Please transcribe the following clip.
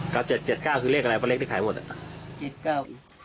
กำลับเจ็ดเจ็ดเก้าคือเลขอะไรป้าเล็กได้ขายหมดฮะเจ็ดเก้า